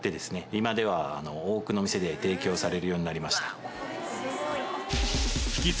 今では多くの店で提供されるようになりました。